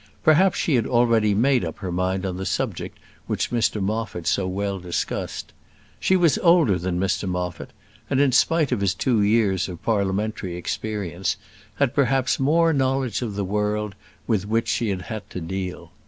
Perhaps she had already made up her mind on the subject which Mr Moffat so well discussed. She was older than Mr Moffat, and, in spite of his two years of parliamentary experience, had perhaps more knowledge of the world with which she had to deal.